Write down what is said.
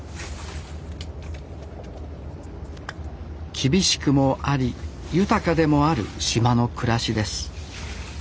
厳しくもあり豊かでもある島の暮らしです